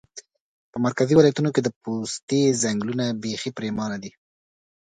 په مرکزي ولایتونو کې د پوستې ځنګلونه پیخي پرېمانه دي